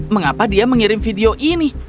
mengapa dia mengirim video ini